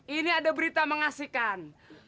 ini ada berita mengasihkan